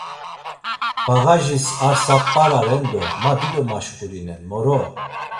Bağajis ar sap̆ara ren do ma dido maşkurinen moro.